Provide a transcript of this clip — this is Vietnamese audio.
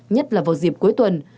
nhất là vào dịp cuối tuần